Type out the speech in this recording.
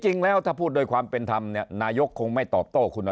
จริงแล้วถ้าพูดโดยความเป็นธรรมเนี่ยนายกคงไม่ตอบโต้คุณ